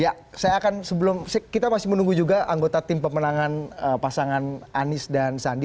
ya saya akan sebelum kita masih menunggu juga anggota tim pemenangan pasangan anies dan sandi